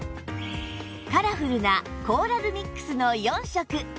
カラフルなコーラルミックスの４色